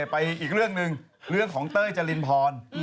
ไปอีกเรื่องหนึ่งเรื่องของเต้ยจรินพร